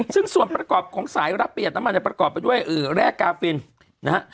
ซึ่งส่วนประกอบของสายรับเปลี่ยนมันจะประกอบไปด้วยแร่กาฟินนะฮะ